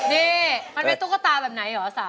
นี่มันเป็นตุ๊กตาแบบไหนเหรอ